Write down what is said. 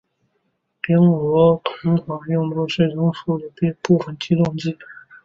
丁螺环酮用作血清素部分激动剂。